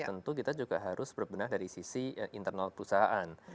tentu kita juga harus berbenah dari sisi internal perusahaan